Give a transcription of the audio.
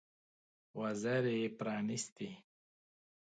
وزرې یې پرانيستې.